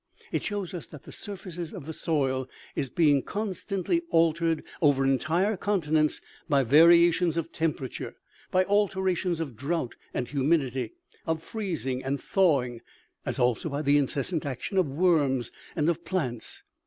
It shows us that the surface of the soil is being constantly altered over entire continents by variations of temperature, by alterations of drought and humidity, of freezing and thawing, as also by the incessant action of worms and of plants.